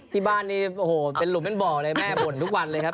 ที่บ้านนี้โอ้โหเป็นหลุมเป็นบ่อเลยแม่บ่นทุกวันเลยครับ